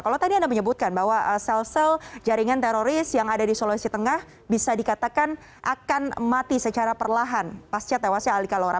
kalau tadi anda menyebutkan bahwa sel sel jaringan teroris yang ada di sulawesi tengah bisa dikatakan akan mati secara perlahan pasca tewasnya ali kalora